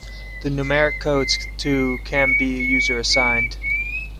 The numeric codes to can be user-assigned.